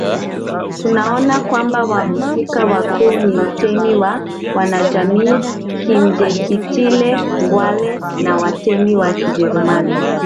Tunaona kwamba wahusika wakuu ni mtemi wa wanajamii Kinjekitile Ngwale na watemi wa Kijerumani